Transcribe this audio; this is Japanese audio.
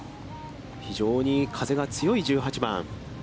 非常に風が強い１８番。